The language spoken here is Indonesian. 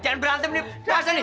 eh jangan berantem nih pasan nih